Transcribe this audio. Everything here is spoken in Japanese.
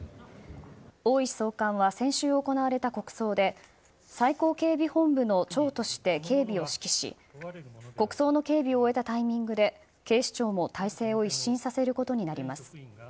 大石総監は先週、行われた国葬で最高警備本部の長として警備を指揮し国葬の警備を終えたタイミングで警視庁も体制を一新させることになります。